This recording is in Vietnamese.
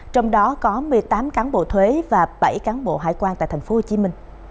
trong đó có một mươi tám cán bộ thuế và bảy cán bộ hải quan tại tp hcm